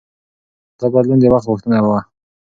دا بدلون د وخت غوښتنه وه.